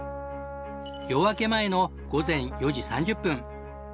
夜明け前の午前４時３０分。